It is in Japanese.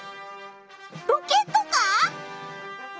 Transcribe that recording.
ロケットか？